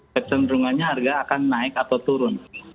kecenderungannya harga akan naik atau turun